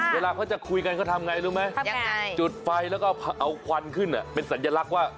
เวลาเขาจะคุยกันเขาทำไงรู้ไหมจุดไฟแล้วก็เอาควันขึ้นเป็นสัญลักษณ์ว่า